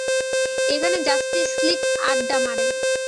এখানে justice league আড্ডা মারে।